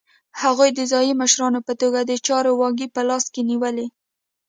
هغوی د ځايي مشرانو په توګه د چارو واګې په لاس کې نیولې.